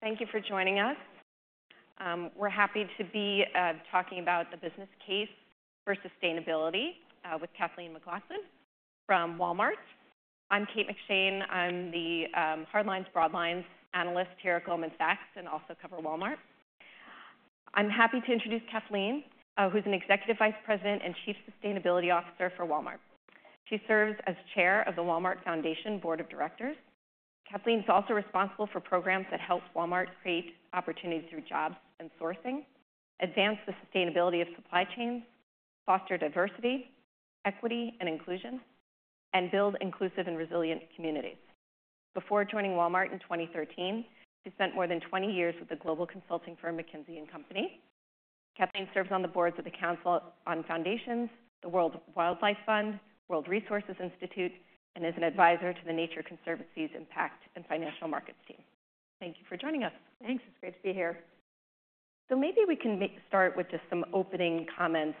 Hey, hello, everyone. Thank you for joining us. We're happy to be talking about the business case for sustainability with Kathleen McLaughlin from Walmart. I'm Kate McShane. I'm the Hardlines & Broadlines analyst here at Goldman Sachs, and also cover Walmart. I'm happy to introduce Kathleen, who's an Executive Vice President and Chief Sustainability Officer for Walmart. She serves as Chair of the Walmart Foundation Board of Directors. Kathleen's also responsible for programs that help Walmart create opportunities through jobs and sourcing, advance the sustainability of supply chains, foster diversity, equity, and inclusion, and build inclusive and resilient communities. Before joining Walmart in 2013, she spent more than 20 years with the global consulting firm, McKinsey & Company. Kathleen serves on the boards of the Council on Foundations, the World Wildlife Fund, World Resources Institute, and is an advisor to the Nature Conservancy's Impact and Financial Markets team. Thank you for joining us. Thanks. It's great to be here. So maybe we can start with just some opening comments,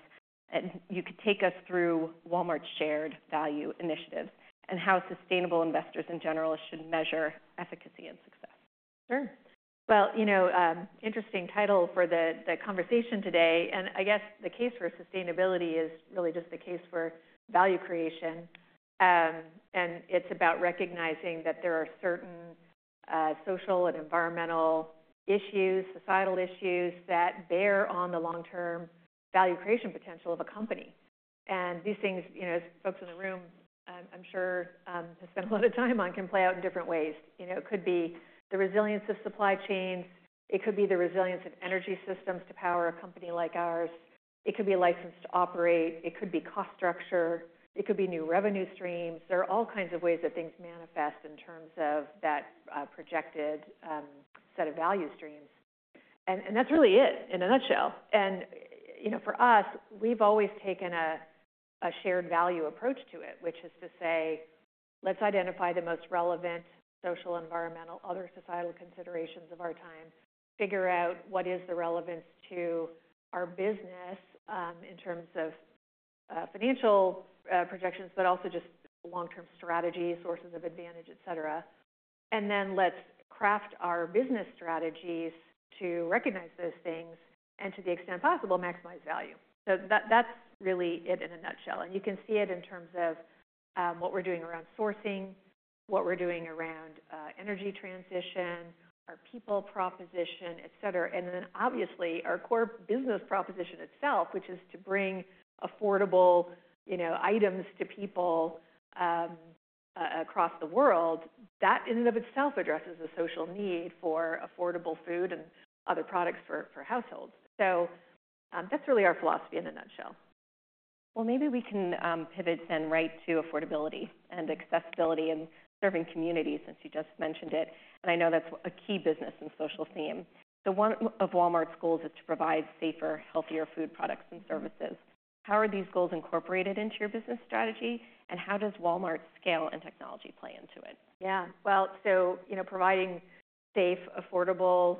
and you could take us through Walmart's shared value initiatives and how sustainable investors in general should measure efficacy and success. Sure. Well, you know, interesting title for the conversation today, and I guess the case for sustainability is really just the case for value creation. And it's about recognizing that there are certain social and environmental issues, societal issues, that bear on the long-term value creation potential of a company. And these things, you know, folks in the room, I'm sure, have spent a lot of time on, can play out in different ways. You know, it could be the resilience of supply chains, it could be the resilience of energy systems to power a company like ours. It could be a license to operate, it could be cost structure, it could be new revenue streams. There are all kinds of ways that things manifest in terms of that projected set of value streams, and that's really it in a nutshell. You know, for us, we've always taken a shared value approach to it, which is to say: let's identify the most relevant social, environmental, other societal considerations of our time, figure out what is the relevance to our business, in terms of financial projections, but also just long-term strategy, sources of advantage, et cetera, then let's craft our business strategies to recognize those things and, to the extent possible, maximize value, so that's really it in a nutshell, and you can see it in terms of what we're doing around sourcing, what we're doing around energy transition, our people proposition, et cetera, then obviously our core business proposition itself, which is to bring affordable, you know, items to people across the world. That, in and of itself, addresses the social need for affordable food and other products for households. So, that's really our philosophy in a nutshell. Maybe we can pivot then right to affordability and accessibility and serving communities, since you just mentioned it, and I know that's a key business and social theme. One of Walmart's goals is to provide safer, healthier food products and services. How are these goals incorporated into your business strategy, and how does Walmart's scale and technology play into it? Yeah. Well, so, you know, providing safe, affordable,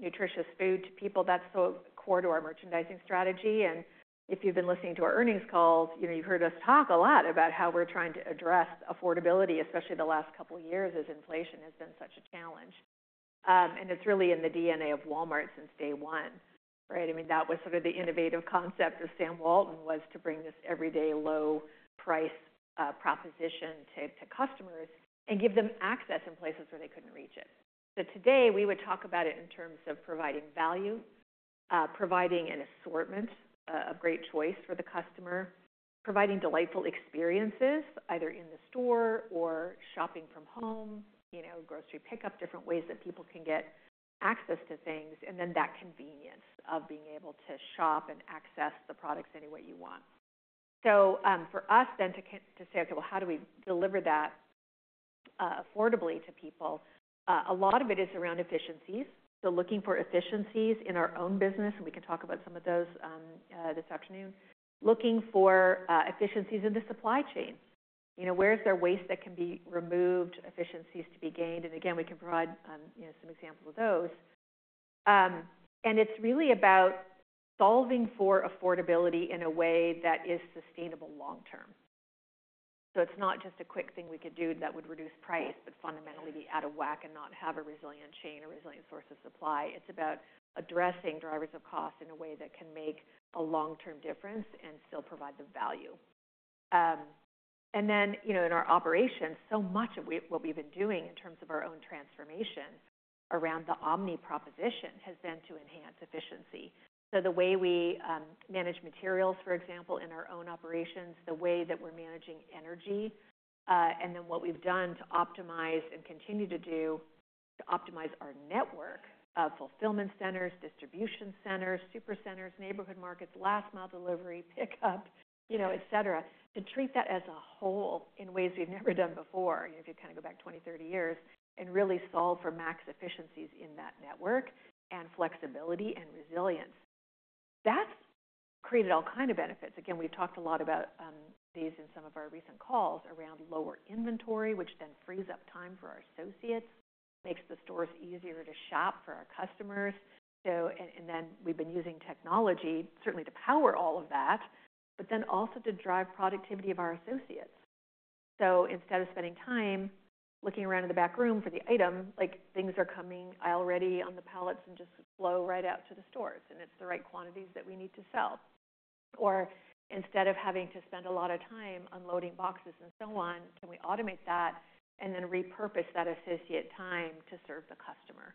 nutritious food to people, that's so core to our merchandising strategy, and if you've been listening to our earnings calls, you know, you've heard us talk a lot about how we're trying to address affordability, especially the last couple years, as inflation has been such a challenge, and it's really in the DNA of Walmart since day one, right? I mean, that was sort of the innovative concept of Sam Walton, was to bring this Every Day Low Price proposition to customers and give them access in places where they couldn't reach it. So today, we would talk about it in terms of providing value, providing an assortment of great choice for the customer, providing delightful experiences, either in the store or shopping from home, you know, grocery pickup, different ways that people can get access to things, and then that convenience of being able to shop and access the products any way you want. So, for us then, to say, "Okay, well, how do we deliver that affordably to people?" A lot of it is around efficiencies. So looking for efficiencies in our own business, and we can talk about some of those this afternoon. Looking for efficiencies in the supply chain. You know, where is there waste that can be removed, efficiencies to be gained? And again, we can provide, you know, some examples of those. And it's really about solving for affordability in a way that is sustainable long-term. So it's not just a quick thing we could do that would reduce price, but fundamentally be out of whack and not have a resilient chain or resilient source of supply. It's about addressing drivers of cost in a way that can make a long-term difference and still provide the value. And then, you know, in our operations, so much of what we've been doing in terms of our own transformation around the omni proposition has been to enhance efficiency. So the way we manage materials, for example, in our own operations, the way that we're managing energy, and then what we've done to optimize and continue to do to optimize our network of fulfillment centers, distribution centers, Supercenters, Neighborhood Markets, last mile delivery, pickup, you know, et cetera, to treat that as a whole in ways we've never done before. If you kind of go back twenty, thirty years, and really solve for max efficiencies in that network and flexibility and resilience, that's created all kind of benefits. Again, we've talked a lot about these in some of our recent calls around lower inventory, which then frees up time for our associates, makes the stores easier to shop for our customers. And then we've been using technology certainly to power all of that, but then also to drive productivity of our associates. So instead of spending time looking around in the back room for the item, like, things are coming already on the pallets and just flow right out to the stores, and it's the right quantities that we need to sell. Or instead of having to spend a lot of time unloading boxes and so on, can we automate that and then repurpose that associate time to serve the customer?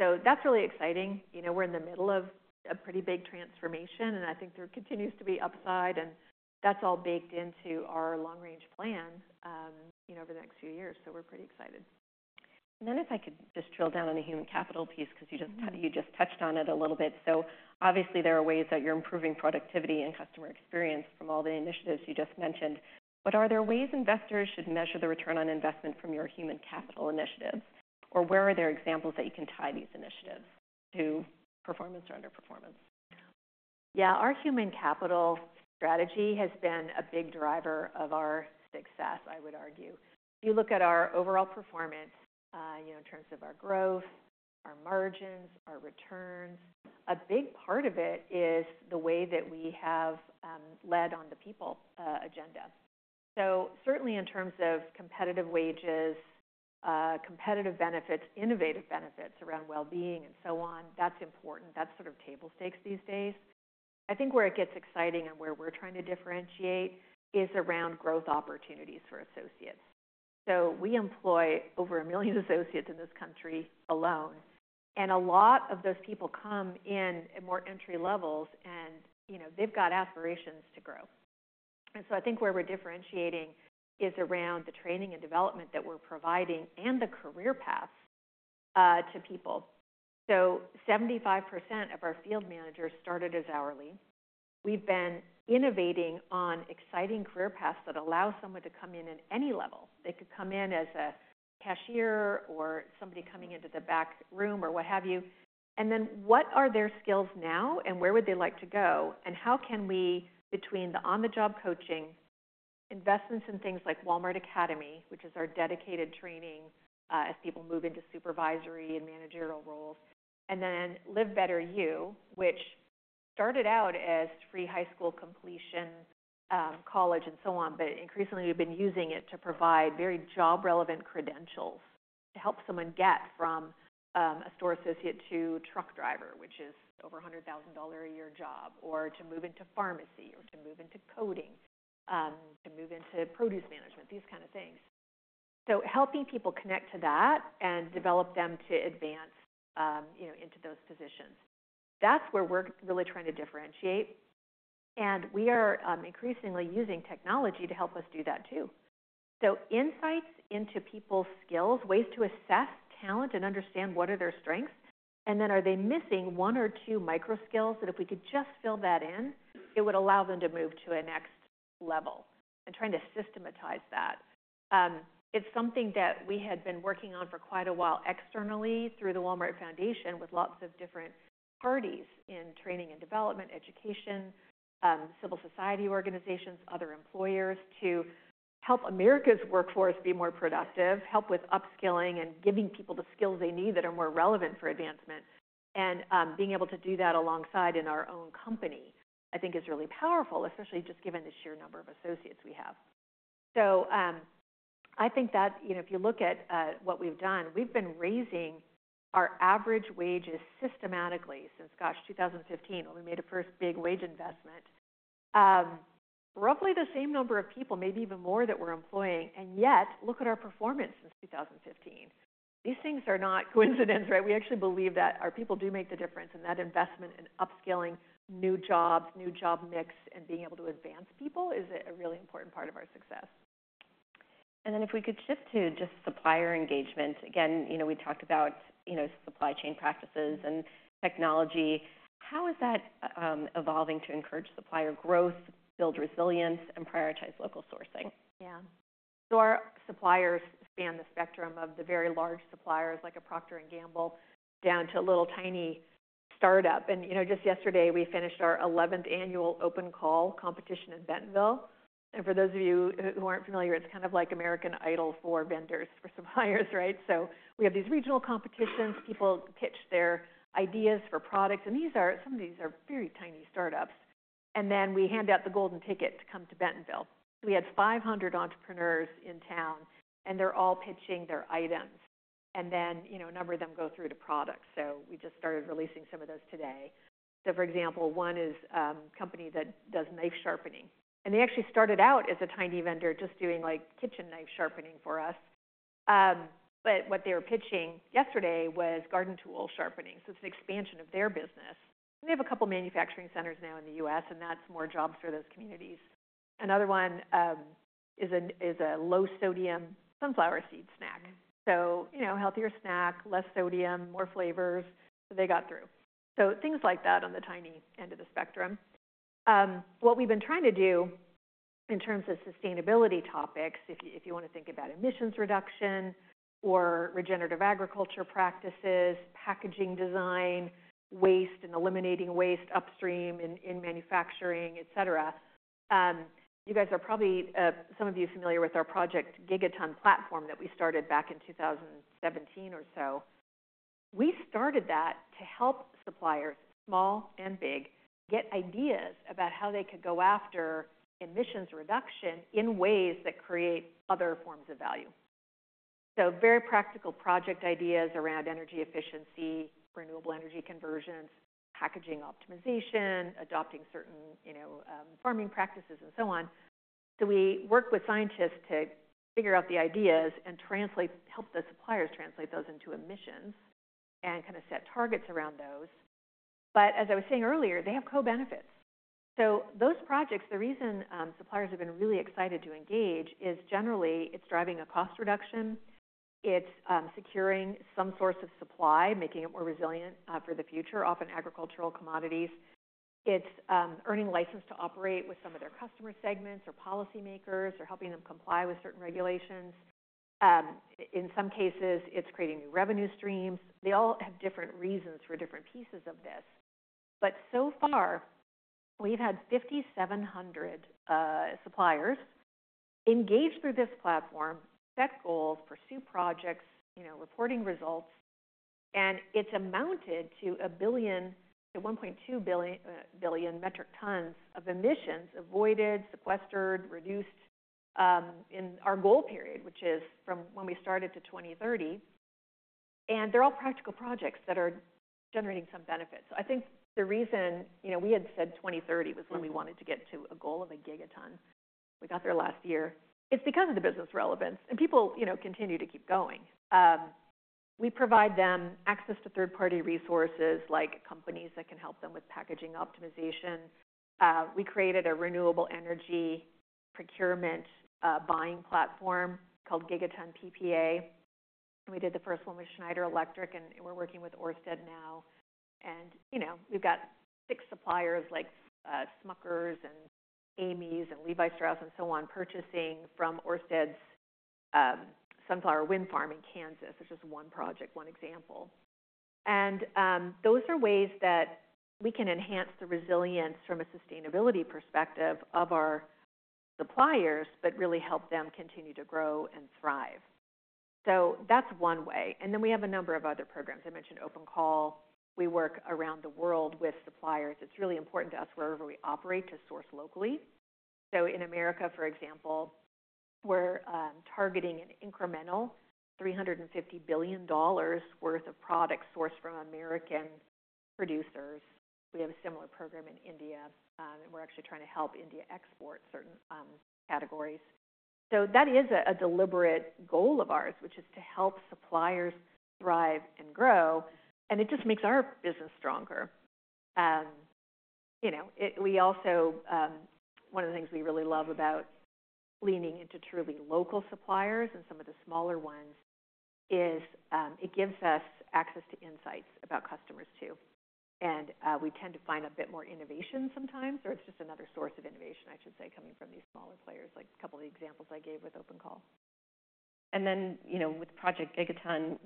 So that's really exciting. You know, we're in the middle of a pretty big transformation, and I think there continues to be upside, and that's all baked into our long-range plans, you know, over the next few years. So we're pretty excited. And then if I could just drill down on the human capital piece, because you just- Mm-hmm. You just touched on it a little bit. So obviously, there are ways that you're improving productivity and customer experience from all the initiatives you just mentioned, but are there ways investors should measure the return on investment from your human capital initiatives? Or where are there examples that you can tie these initiatives to performance or underperformance? Yeah, our human capital strategy has been a big driver of our success, I would argue. If you look at our overall performance, you know, in terms of our growth, our margins, our returns, a big part of it is the way that we have, led on the people, agenda. So certainly in terms of competitive wages, competitive benefits, innovative benefits around well-being and so on, that's important. That's sort of table stakes these days. I think where it gets exciting and where we're trying to differentiate is around growth opportunities for associates. So we employ over a million associates in this country alone, and a lot of those people come in at more entry levels and, you know, they've got aspirations to grow. And so I think where we're differentiating is around the training and development that we're providing and the career paths to people. So 75% of our field managers started as hourly. We've been innovating on exciting career paths that allow someone to come in at any level. They could come in as a cashier or somebody coming into the back room or what have you, and then what are their skills now, and where would they like to go? How can we, between the on-the-job coaching, investments in things like Walmart Academy, which is our dedicated training, as people move into supervisory and managerial roles, and then Live Better U, which started out as free high school completion, college and so on, but increasingly we've been using it to provide very job-relevant credentials to help someone get from a store associate to truck driver, which is over a $100,000-a-year job, or to move into pharmacy, or to move into coding, to move into produce management, these kind of things. So helping people connect to that and develop them to advance, you know, into those positions, that's where we're really trying to differentiate, and we are increasingly using technology to help us do that too. So insights into people's skills, ways to assess talent and understand what are their strengths, and then are they missing one or two micro skills, that if we could just fill that in, it would allow them to move to a next level and trying to systematize that. It's something that we had been working on for quite a while externally through the Walmart Foundation, with lots of different parties in training and development, education, civil society organizations, other employers, to help America's workforce be more productive, help with upskilling and giving people the skills they need that are more relevant for advancement. And, being able to do that alongside in our own company, I think is really powerful, especially just given the sheer number of associates we have. I think that, you know, if you look at what we've done, we've been raising our average wages systematically since, gosh, 2015, when we made a first big wage investment. Roughly the same number of people, maybe even more, that we're employing, and yet look at our performance since 2015. These things are not coincidence, right? We actually believe that our people do make the difference, and that investment in upskilling, new jobs, new job mix, and being able to advance people is a really important part of our success. And then if we could shift to just supplier engagement. Again, you know, we talked about, you know, supply chain practices and technology. How is that evolving to encourage supplier growth, build resilience, and prioritize local sourcing? Yeah. So our suppliers span the spectrum of the very large suppliers, like a Procter & Gamble, down to a little tiny startup. And you know, just yesterday, we finished our eleventh annual Open Call competition in Bentonville. And for those of you who, who aren't familiar, it's kind of like American Idol for vendors, for suppliers, right? So we have these regional competitions. People pitch their ideas for products, and these are, some of these are very tiny startups. And then we hand out the golden ticket to come to Bentonville. We had five hundred entrepreneurs in town, and they're all pitching their items, and then you know, a number of them go through to product. So we just started releasing some of those today. So, for example, one is a company that does knife sharpening, and they actually started out as a tiny vendor just doing, like, kitchen knife sharpening for us. But what they were pitching yesterday was garden tool sharpening, so it's an expansion of their business. And they have a couple manufacturing centers now in the U.S., and that's more jobs for those communities. Another one is a low-sodium sunflower seed snack. So, you know, healthier snack, less sodium, more flavors. So they got through. So things like that on the tiny end of the spectrum. What we've been trying to do in terms of sustainability topics, if you want to think about emissions reduction or regenerative agriculture practices, packaging design, waste and eliminating waste upstream in manufacturing, et cetera, you guys are probably some of you familiar with our Project Gigaton platform that we started back in 2017 or so. We started that to help suppliers, small and big, get ideas about how they could go after emissions reduction in ways that create other forms of value. So very practical project ideas around energy efficiency, renewable energy conversions, packaging optimization, adopting certain, you know, farming practices, and so on. So we work with scientists to figure out the ideas and translate, help the suppliers translate those into emissions and kind of set targets around those. But as I was saying earlier, they have co-benefits. So those projects, the reason suppliers have been really excited to engage is generally it's driving a cost reduction, it's securing some source of supply, making it more resilient for the future, often agricultural commodities. It's earning license to operate with some of their customer segments or policymakers or helping them comply with certain regulations. In some cases, it's creating new revenue streams. They all have different reasons for different pieces of this, but so far, we've had 5,700 suppliers engage through this platform, set goals, pursue projects, you know, reporting results, and it's amounted to 1 billion to 1.2 billion metric tons of emissions avoided, sequestered, reduced in our goal period, which is from when we started to 2030. And they're all practical projects that are generating some benefits. I think the reason, you know, we had said 2030 was when we wanted to get to a goal of a gigaton. We got there last year. It's because of the business relevance and people, you know, continue to keep going. We provide them access to third-party resources, like companies that can help them with packaging optimization. We created a renewable energy procurement buying platform called Gigaton PPA, and we did the first one with Schneider Electric, and we're working with Ørsted now. And, you know, we've got six suppliers like Smucker's and Amy's and Levi Strauss and so on, purchasing from Ørsted's Sunflower Wind Farm in Kansas, which is one project, one example. Those are ways that we can enhance the resilience from a sustainability perspective of our suppliers, but really help them continue to grow and thrive. So that's one way, and then we have a number of other programs. I mentioned Open Call. We work around the world with suppliers. It's really important to us wherever we operate, to source locally. So in America, for example, we're targeting an incremental $350 billion worth of products sourced from American producers. We have a similar program in India, and we're actually trying to help India export certain categories. So that is a deliberate goal of ours, which is to help suppliers thrive and grow, and it just makes our business stronger. You know, it, we also, one of the things we really love about leaning into truly local suppliers and some of the smaller ones is, it gives us access to insights about customers too. We tend to find a bit more innovation sometimes, or it's just another source of innovation, I should say, coming from these smaller players, like a couple of the examples I gave with Open Call. Then, you know, with Project Gigaton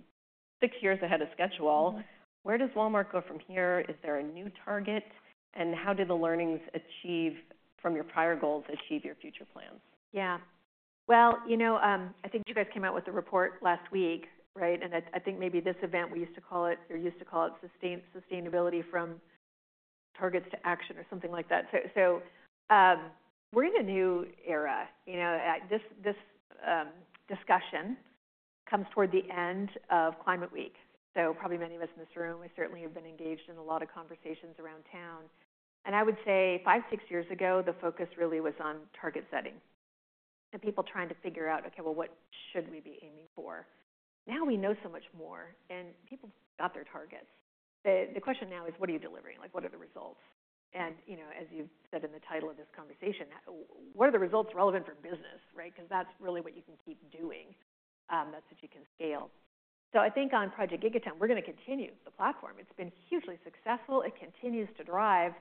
six years ahead of schedule, where does Walmart go from here? Is there a new target, and how do the learnings achieved from your prior goals achieve your future plans? Yeah. Well, you know, I think you guys came out with a report last week, right? And I, I think maybe this event, we used to call it, or you used to call it Sustainability from Targets to Action or something like that. So, we're in a new era. You know, this discussion comes toward the end of Climate Week. So probably many of us in this room, we certainly have been engaged in a lot of conversations around town. And I would say five, six years ago, the focus really was on target setting and people trying to figure out, okay, well, what should we be aiming for? Now we know so much more, and people got their targets. The question now is, what are you delivering? Like, what are the results? You know, as you've said in the title of this conversation, what are the results relevant for business, right? Because that's really what you can keep doing, that's what you can scale. I think on Project Gigaton, we're going to continue the platform. It's been hugely successful. It continues to drive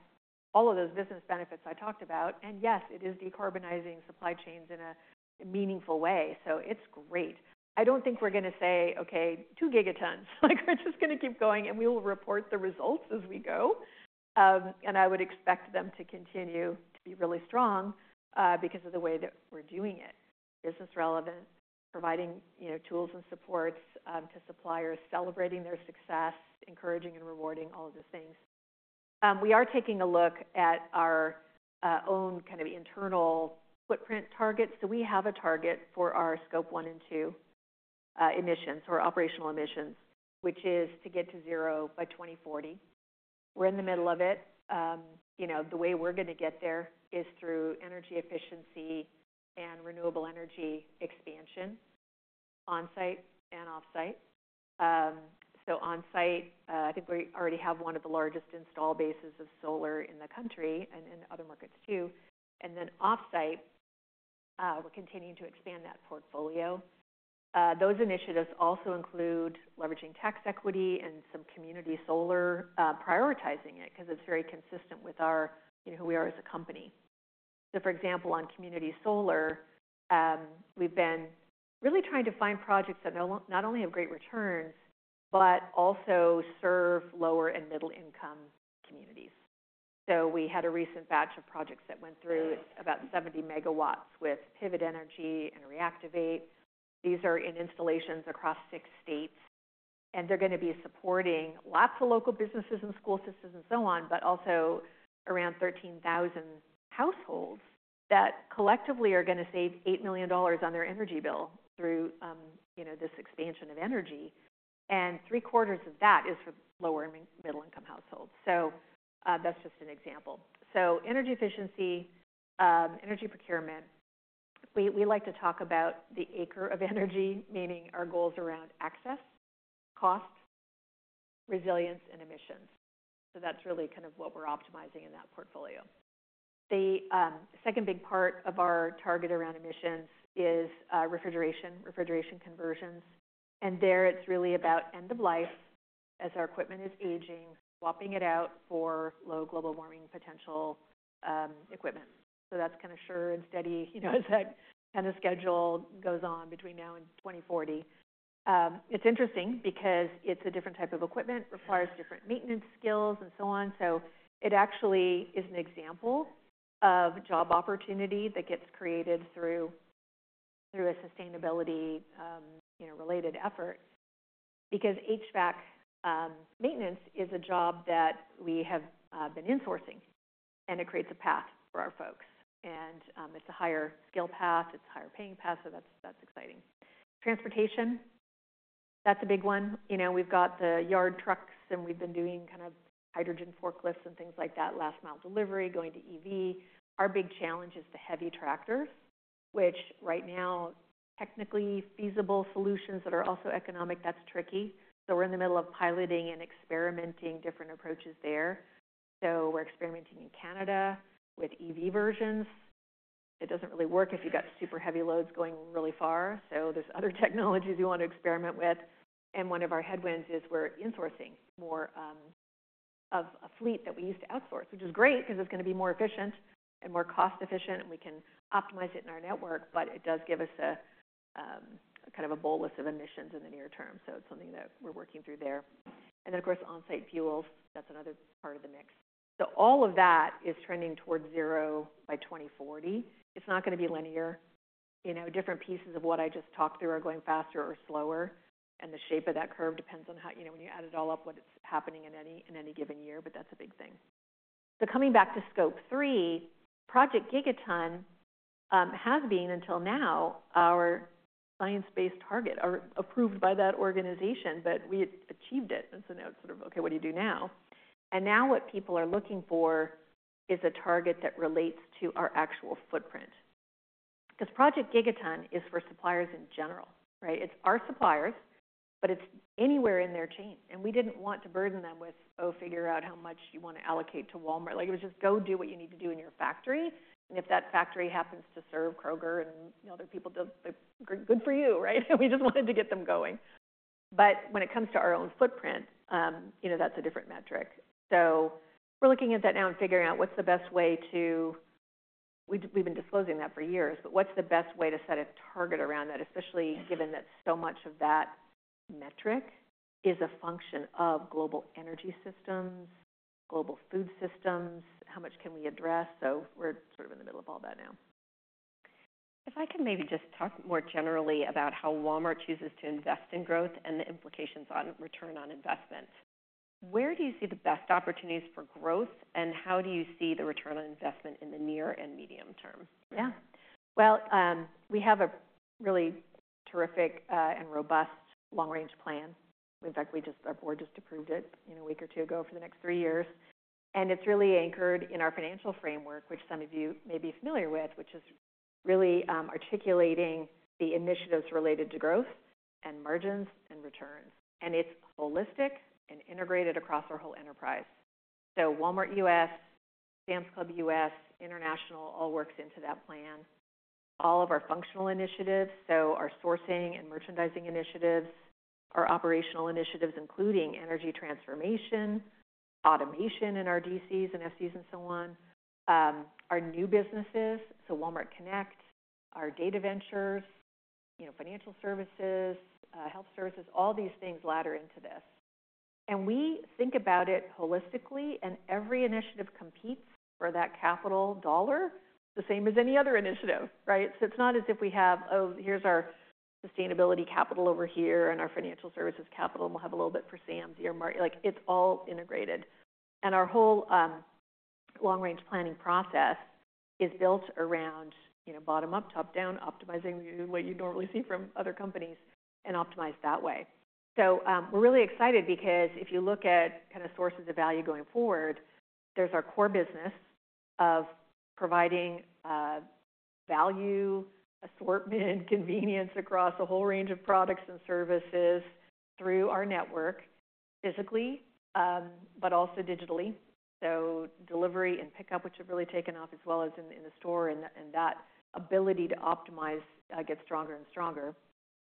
all of those business benefits I talked about. And yes, it is decarbonizing supply chains in a meaningful way, so it's great. I don't think we're going to say, "Okay, two gigatons." Like, we're just going to keep going, and we will report the results as we go. And I would expect them to continue to be really strong, because of the way that we're doing it. Business relevant, providing, you know, tools and supports to suppliers, celebrating their success, encouraging and rewarding, all of those things. We are taking a look at our own kind of internal footprint targets. So we have a target for our Scope 1 and 2 emissions, or operational emissions, which is to get to zero by 2040. We're in the middle of it. You know, the way we're going to get there is through energy efficiency and renewable energy expansion on-site and off-site. So on-site, I think we already have one of the largest installed bases of solar in the country and in other markets too. And then off-site, we're continuing to expand that portfolio. Those initiatives also include leveraging tax equity and some community solar, prioritizing it, because it's very consistent with our, you know, who we are as a company. For example, on community solar, we've been really trying to find projects that not only have great returns, but also serve lower and middle income communities. We had a recent batch of projects that went through about 70 megawatts with Pivot Energy and Reactivate. These are installations across 6 states, and they're going to be supporting lots of local businesses and school systems and so on, but also around 13,000 households that collectively are going to save $8 million on their energy bill through, you know, this expansion of energy. And three-quarters of that is for lower and middle income households. That's just an example. Energy efficiency, energy procurement. We like to talk about the acre of energy, meaning our goals around access, cost, resilience, and emissions. So that's really kind of what we're optimizing in that portfolio. The second big part of our target around emissions is refrigeration conversions. There it's really about end of life. As our equipment is aging, swapping it out for low global warming potential equipment. So that's kind of sure and steady, you know, as that kind of schedule goes on between now and 2040. It's interesting because it's a different type of equipment, requires different maintenance skills and so on. So it actually is an example of job opportunity that gets created through a sustainability related effort, because HVAC maintenance is a job that we have been in-sourcing, and it creates a path for our folks. And it's a higher skill path, it's a higher paying path, so that's exciting. Transportation, that's a big one. You know, we've got the yard trucks, and we've been doing kind of hydrogen forklifts and things like that, last mile delivery, going to EV. Our big challenge is the heavy tractors, which right now, technically feasible solutions that are also economic, that's tricky. So we're in the middle of piloting and experimenting different approaches there. So we're experimenting in Canada with EV versions. It doesn't really work if you've got super heavy loads going really far, so there's other technologies we want to experiment with. And one of our headwinds is we're insourcing more of a fleet that we used to outsource, which is great because it's going to be more efficient and more cost efficient, and we can optimize it in our network, but it does give us a kind of a bolus of emissions in the near term. So it's something that we're working through there. And then, of course, on-site fuels, that's another part of the mix. So all of that is trending towards zero by 2040. It's not going to be linear. You know, different pieces of what I just talked through are going faster or slower, and the shape of that curve depends on how... you know, when you add it all up, what is happening in any given year, but that's a big thing. So coming back to Scope 3, Project Gigaton has been, until now, our Science-Based Target or approved by that organization, but we had achieved it. And so now it's sort of, okay, what do you do now? And now what people are looking for is a target that relates to our actual footprint, because Project Gigaton is for suppliers in general, right? It's our suppliers, but it's anywhere in their chain, and we didn't want to burden them with, "Oh, figure out how much you want to allocate to Walmart." Like, it was just, "Go do what you need to do in your factory," and if that factory happens to serve Kroger and other people, then good for you, right? We just wanted to get them going. But when it comes to our own footprint, you know, that's a different metric. So we're looking at that now and figuring out what's the best way to. We've been disclosing that for years, but what's the best way to set a target around that, especially given that so much of that metric is a function of global energy systems, global food systems? How much can we address? So we're sort of in the middle of all that now. If I can maybe just talk more generally about how Walmart chooses to invest in growth and the implications on return on investment. Where do you see the best opportunities for growth, and how do you see the return on investment in the near and medium term? Yeah. Well, we have a really terrific and robust long-range plan. In fact, our board just approved it, you know, a week or two ago for the next three years. And it's really anchored in our financial framework, which some of you may be familiar with, which is really articulating the initiatives related to growth and margins and returns. And it's holistic and integrated across our whole enterprise. So Walmart US, Sam's Club US, International, all works into that plan. All of our functional initiatives, so our sourcing and merchandising initiatives, our operational initiatives, including energy transformation, automation in our DCs and FCs, and so on. Our new businesses, so Walmart Connect, our Data Ventures, you know, financial services, health services, all these things ladder into this. And we think about it holistically, and every initiative competes for that capital dollar, the same as any other initiative, right? So it's not as if we have, "Oh, here's our sustainability capital over here and our financial services capital, and we'll have a little bit for Sam's or Mart..." Like, it's all integrated. And our whole, long-range planning process is built around, you know, bottom up, top down, optimizing what you normally see from other companies and optimize that way. So, we're really excited because if you look at kind of sources of value going forward, there's our core business of providing value, assortment, convenience across a whole range of products and services through our network, physically, but also digitally. So delivery and pickup, which have really taken off as well as in the store, and that ability to optimize gets stronger and stronger.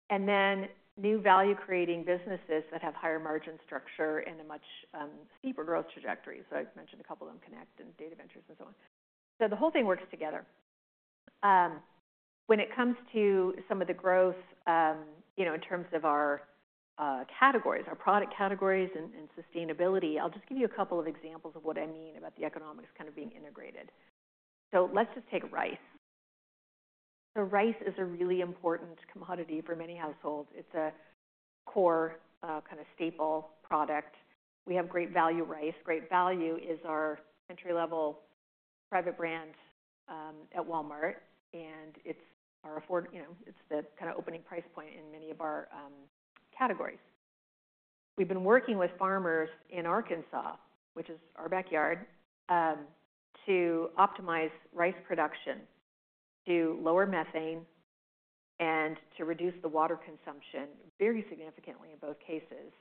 And then new value-creating businesses that have higher margin structure and a much steeper growth trajectory. So I've mentioned a couple of them, Connect and data ventures and so on. So the whole thing works together. When it comes to some of the growth, you know, in terms of our categories, our product categories and sustainability, I'll just give you a couple of examples of what I mean about the economics kind of being integrated. So let's just take rice. So rice is a really important commodity for many households. It's a core kind of staple product. We have Great Value rice. Great Value is our entry-level private brand, at Walmart, and it's you know, it's the kind of opening price point in many of our, categories. We've been working with farmers in Arkansas, which is our backyard, to optimize rice production, to lower methane, and to reduce the water consumption very significantly in both cases,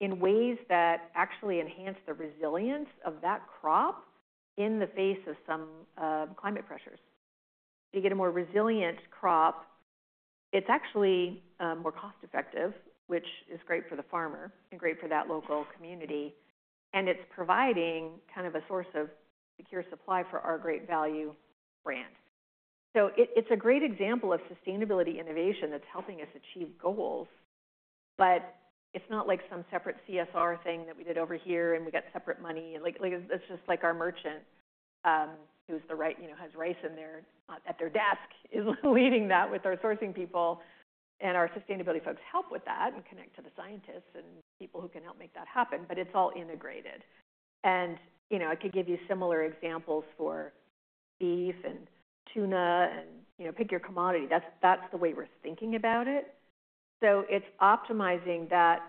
in ways that actually enhance the resilience of that crop in the face of some climate pressures. You get a more resilient crop, it's actually more cost-effective, which is great for the farmer and great for that local community, and it's providing kind of a source of secure supply for our Great Value brand. So it, it's a great example of sustainability innovation that's helping us achieve goals, but it's not like some separate CSR thing that we did over here, and we got separate money. Like, it's just like our merchant who's the rice, you know, has rice in their at their desk is leading that with our sourcing people. And our sustainability folks help with that and connect to the scientists and people who can help make that happen, but it's all integrated. And, you know, I could give you similar examples for beef and tuna and, you know, pick your commodity. That's the way we're thinking about it. So it's optimizing that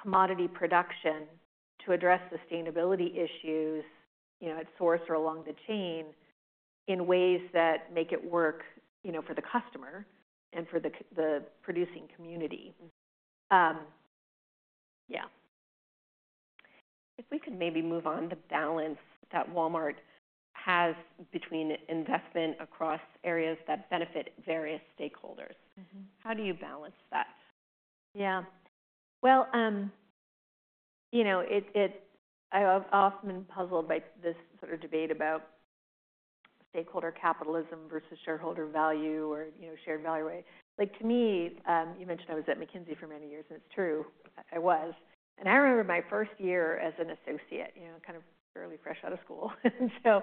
commodity production to address sustainability issues, you know, at source or along the chain, in ways that make it work, you know, for the customer and for the producing community. Yeah. If we could maybe move on to balance that Walmart has between investment across areas that benefit various stakeholders. Mm-hmm. How do you balance that? Yeah. Well, you know, I've often been puzzled by this sort of debate about stakeholder capitalism versus shareholder value or, you know, shared value, right? Like, to me, you mentioned I was at McKinsey for many years, and it's true, I was. And I remember my first year as an associate, you know, kind of fairly fresh out of school, and so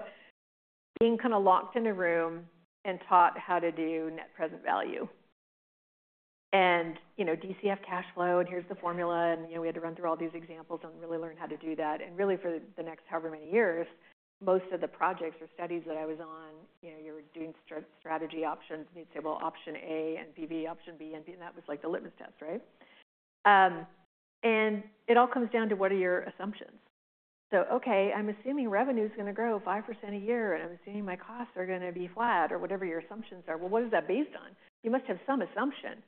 being kind of locked in a room and taught how to do net present value and, you know, DCF cash flow, and here's the formula, and, you know, we had to run through all these examples and really learn how to do that. Really, for the next however many years, most of the projects or studies that I was on, you know, you were doing strategy options, and you'd say, "Well, option A and B, option B and B," and that was, like, the litmus test, right? And it all comes down to: what are your assumptions? Okay, I'm assuming revenue is going to grow 5% a year, and I'm assuming my costs are going to be flat, or whatever your assumptions are. Well, what is that based on? You must have some assumption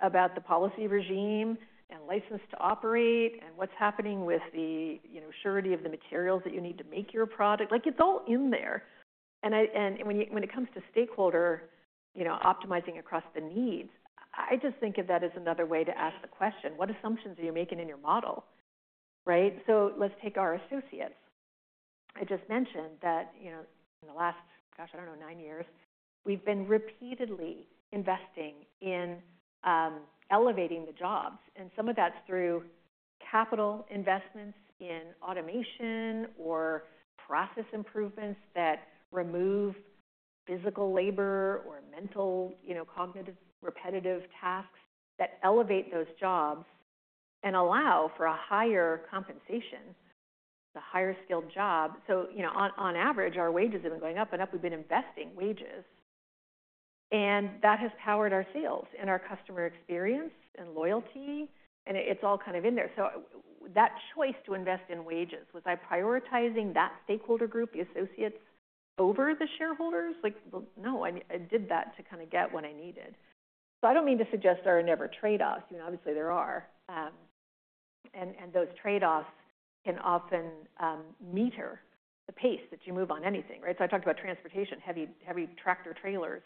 about the policy regime and license to operate and what's happening with the, you know, surety of the materials that you need to make your product. Like, it's all in there. And I... When it comes to stakeholder, you know, optimizing across the needs, I just think of that as another way to ask the question, "What assumptions are you making in your model?" Right? So let's take our associates. I just mentioned that, you know, in the last, gosh, I don't know, nine years, we've been repeatedly investing in elevating the jobs, and some of that's through capital investments in automation or process improvements that remove physical labor or mental, you know, cognitive, repetitive tasks that elevate those jobs and allow for a higher compensation. It's a higher-skilled job. So, you know, on average, our wages have been going up and up. We've been investing wages, and that has powered our sales and our customer experience and loyalty, and it's all kind of in there. So that choice to invest in wages, was I prioritizing that stakeholder group, the associates, over the shareholders? Like, well, no, I did that to kind of get what I needed. So I don't mean to suggest there are never trade-offs. You know, obviously there are. And those trade-offs can often meter the pace that you move on anything, right? So I talked about transportation, heavy, heavy tractor-trailers.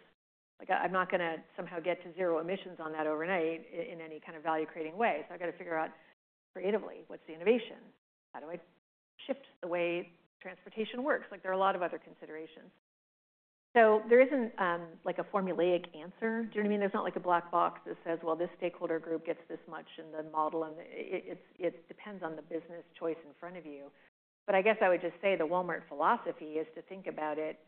Like, I'm not going to somehow get to zero emissions on that overnight in any kind of value-creating way. So I've got to figure out creatively, what's the innovation? How do I shift the way transportation works? Like, there are a lot of other considerations. So there isn't like a formulaic answer. Do you know what I mean? There's not, like, a black box that says, "Well, this stakeholder group gets this much in the model," and it depends on the business choice in front of you. But I guess I would just say the Walmart philosophy is to think about it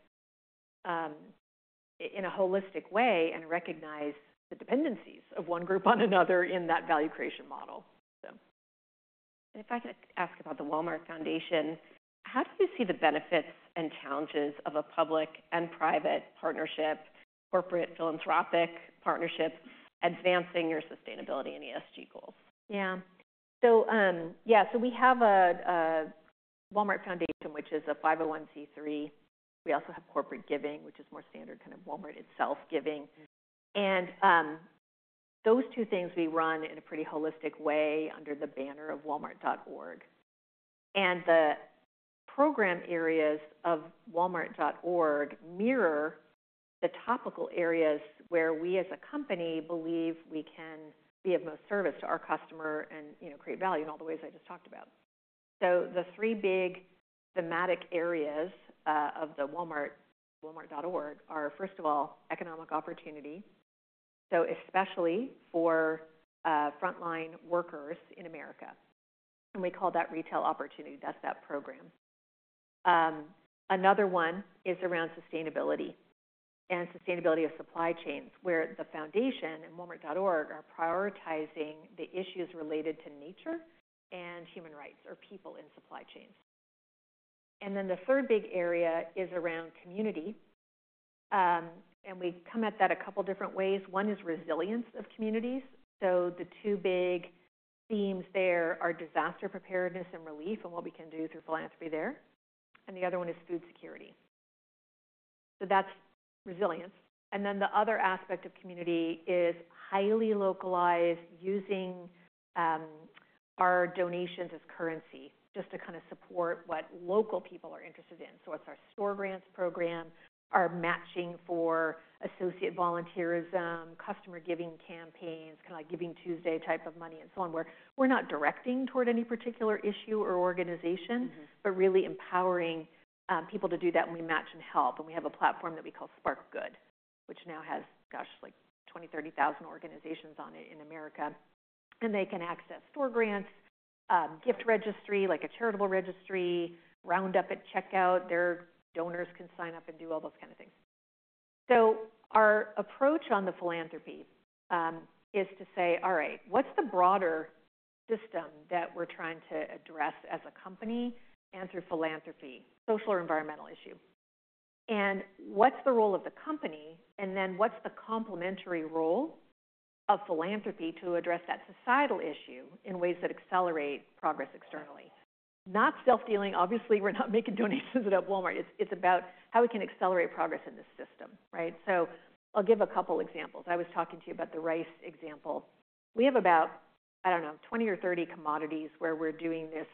in a holistic way and recognize the dependencies of one group on another in that value creation model, so. If I could ask about the Walmart Foundation, how do you see the benefits and challenges of a public and private partnership, corporate philanthropic partnerships, advancing your sustainability and ESG goals? Yeah. So we have a Walmart Foundation, which is a 501(c)(3). We also have corporate giving, which is more standard kind of Walmart itself giving. And those two things we run in a pretty holistic way under the banner of Walmart.org. And the program areas of Walmart.org mirror the topical areas where we as a company believe we can be of most service to our customer and, you know, create value in all the ways I just talked about. So the three big thematic areas of Walmart.org are, first of all, economic opportunity, so especially for frontline workers in America, and we call that Retail Opportunity. That's that program. Another one is around sustainability and sustainability of supply chains, where the foundation and Walmart.org are prioritizing the issues related to nature and human rights or people in supply chains, and then the third big area is around community, and we come at that a couple different ways. One is resilience of communities. So the two big themes there are disaster preparedness and relief, and what we can do through philanthropy there, and the other one is food security. So that's resilience, and then the other aspect of community is highly localized, using our donations as currency just to kind of support what local people are interested in. So it's our store grants program, our matching for associate volunteerism, customer giving campaigns, kind of like Giving Tuesday type of money and so on, where we're not directing toward any particular issue or organization- Mm-hmm. But really empowering people to do that, and we match and help. And we have a platform that we call Spark Good, which now has, gosh, like 20,000 - 30,000 organizations on it in America, and they can access store grants, gift registry, like a charitable registry, round up at checkout. Their donors can sign up and do all those kind of things. So our approach on the philanthropy is to say: All right, what's the broader system that we're trying to address as a company and through philanthropy, social or environmental issue? And what's the role of the company, and then what's the complementary role of philanthropy to address that societal issue in ways that accelerate progress externally? Not self-dealing. Obviously, we're not making donations at Walmart. It's, it's about how we can accelerate progress in this system, right? So I'll give a couple examples. I was talking to you about the rice example. We have about, I don't know, 20 or 30 commodities where we're doing this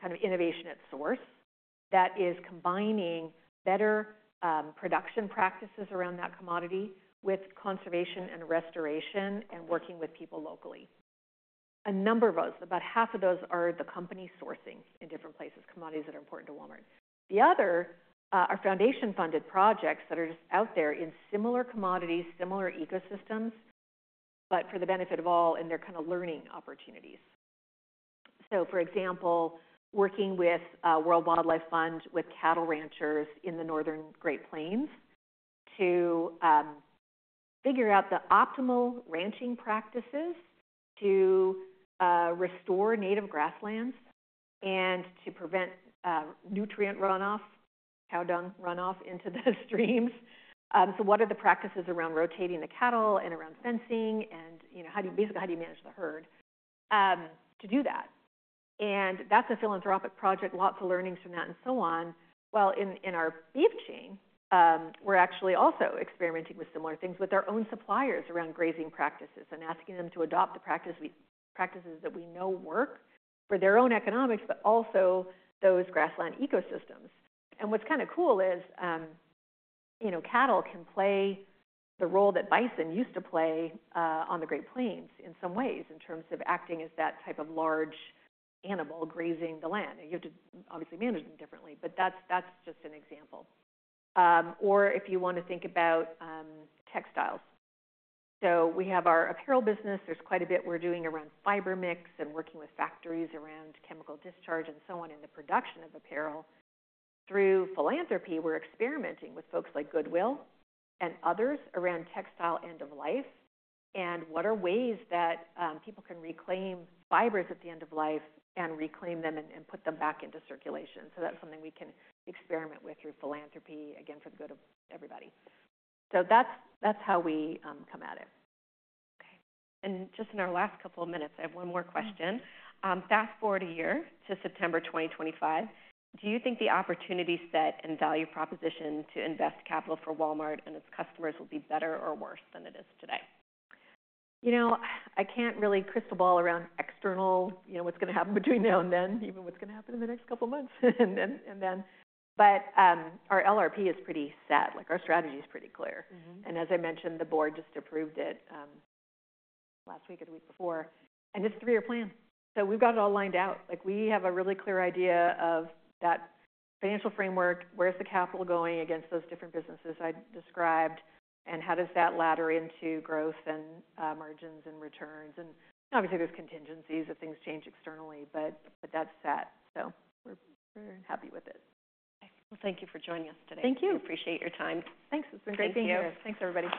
kind of innovation at source that is combining better production practices around that commodity with conservation and restoration and working with people locally. A number of those, about half of those are the company sourcing in different places, commodities that are important to Walmart. The other are foundation-funded projects that are just out there in similar commodities, similar ecosystems, but for the benefit of all, and they're kind of learning opportunities. So, for example, working with World Wildlife Fund, with cattle ranchers in the Northern Great Plains to figure out the optimal ranching practices to restore native grasslands and to prevent nutrient runoff, cow dung runoff into the streams. So what are the practices around rotating the cattle and around fencing and, you know, how do you basically, how do you manage the herd, to do that? And that's a philanthropic project. Lots of learnings from that and so on. Well, in our beef chain, we're actually also experimenting with similar things with our own suppliers around grazing practices and asking them to adopt the practices that we know work for their own economics, but also those grassland ecosystems. And what's kind of cool is, you know, cattle can play the role that bison used to play on the Great Plains in some ways, in terms of acting as that type of large animal grazing the land. You have to obviously manage them differently, but that's just an example, or if you want to think about textiles. So we have our apparel business. There's quite a bit we're doing around fiber mix and working with factories around chemical discharge and so on in the production of apparel. Through philanthropy, we're experimenting with folks like Goodwill and others around textile end of life, and what are ways that people can reclaim fibers at the end of life and reclaim them and put them back into circulation? So that's something we can experiment with through philanthropy, again, for the good of everybody. So that's how we come at it. Okay, and just in our last couple of minutes, I have one more question. Mm-hmm. Fast-forward a year to September 2025. Do you think the opportunity set and value proposition to invest capital for Walmart and its customers will be better or worse than it is today? You know, I can't really crystal ball around external, you know, what's gonna happen between now and then, even what's gonna happen in the next couple of months, and then. But, our LRP is pretty set. Like, our strategy is pretty clear. Mm-hmm. As I mentioned, the board just approved it last week or the week before, and it's a three-year plan. We've got it all lined out. Like, we have a really clear idea of that financial framework. Where's the capital going against those different businesses I described, and how does that ladder into growth and margins and returns? Obviously, there's contingencies if things change externally, but that's set. We're happy with it. Thank you for joining us today. Thank you! We appreciate your time. Thanks. It's been great being here. Thank you. Thanks, everybody.